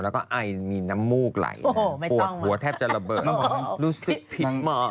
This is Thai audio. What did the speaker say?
แล้วก็ไอมีน้ำมูกไหลปวดหัวแทบจะระเบิดรู้สึกผิดเหมาะ